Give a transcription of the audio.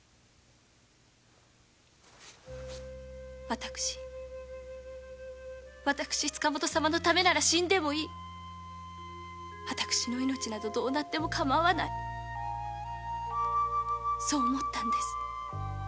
私私塚本様のためなら死んでもいい私の命などどうなってもかまわないそう思ったんです。